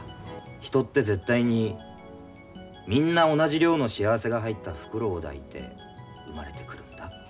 人って絶対にみんな同じ量の幸せが入った袋を抱いて生まれてくるんだって。